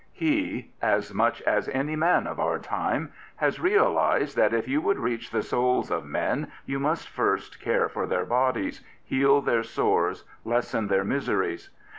He as much as any man of our time has realised that if you would reach the souls of men you must first care for their bodies, heal their sores, lessen their miseries.